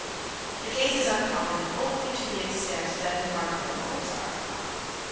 The case is uncommon only to the extent that remarkable mothers are uncommon.